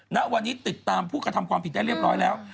ณวันนี้ติดตามผู้กระทำความผิดได้เรียบร้อยแล้ว